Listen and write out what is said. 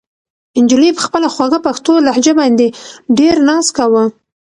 نجلۍ په خپله خوږه پښتو لهجه باندې ډېر ناز کاوه.